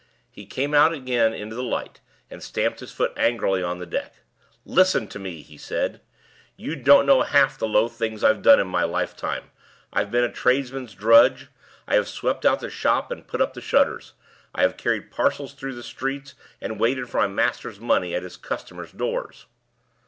He came out again into the light, and stamped his foot angrily on the deck. "Listen to me!" he said. "You don't know half the low things I have done in my lifetime. I have been a tradesman's drudge; I have swept out the shop and put up the shutters; I have carried parcels through the street, and waited for my master's money at his customers' doors."